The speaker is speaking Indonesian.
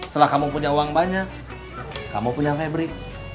setelah kamu punya uang banyak kamu punya fabri